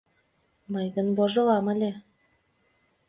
— Мый гын вожылам ыле.